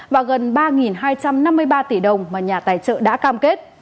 và gần ba hai trăm năm mươi ba tỷ đồng mà nhà tài trợ đã cam kết